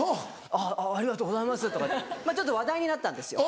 あっありがとうございますとかちょっと話題になったんですよ。